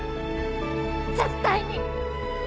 絶対に！